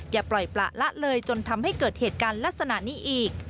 อย่าปล่อยประละเลยจนทำให้เกิดเหตุการณ์ลักษณะนี้อีก